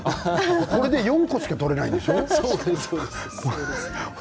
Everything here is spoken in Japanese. これで４個しか取れないんでしょう？